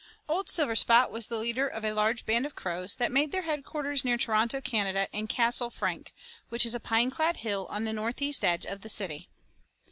Old Silverspot was the leader of a large band of crows that made their headquarters near Toronto, Canada, in Castle Frank, which is a pine clad hill on the northeast edge of the city.